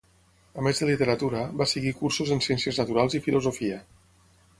A més de literatura, va seguir cursos en ciències naturals i filosofia.